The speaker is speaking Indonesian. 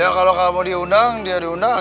ya kalau kamu diundang dia diundang